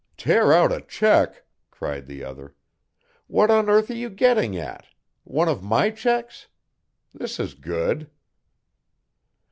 "Tear out a cheque," cried the other. "What on earth are you getting at one of my cheques this is good."